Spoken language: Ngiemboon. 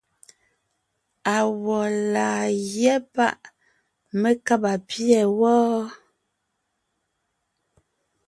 Awɔ̌ laa gyɛ́ páʼ mé kába pîɛ wɔ́?